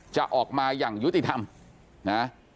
จะออกมาอย่างยุติธรรมนะ